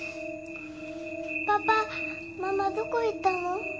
パパママどこ行ったの？